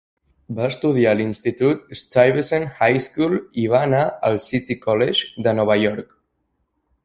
Va estudiar a l'institut Stuyvesant High School i va anar al City College de Nova York.